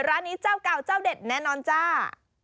ร้านนี้เจ้าเก่าเจ้าเด็ดแน่นอนจ้า